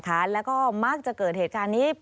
หัวร้อนนะคะแล้วก็มักจะเกิดเหตุการณ์นี้